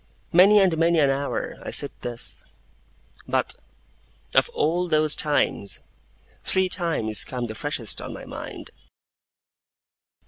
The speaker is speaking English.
Many and many an hour I sit thus; but, of all those times, three times come the freshest on my mind.